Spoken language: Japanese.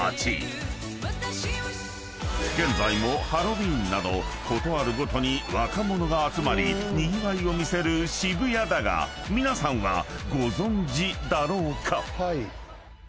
［現在もハロウィーンなど事あるごとに若者が集まりにぎわいを見せる渋谷だが皆さんはご存じだろうか？］